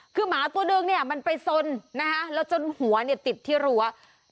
คือหมาตัวเดิงให้ไปสนแล้วจนหัวติดที่หลวะ